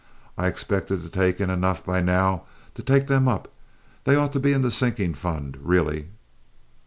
I expected to take in enough by now to take them up. They ought to be in the sinking fund, really."